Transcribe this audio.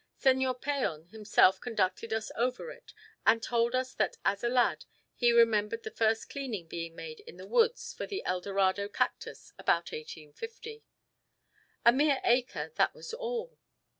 Señor Peon himself conducted us over it, and told us that as a lad he remembered the first clearing being made in the woods for the Eldorado cactus about 1850. A mere acre, that was all!